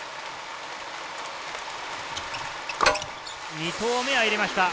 ２投目は入れました。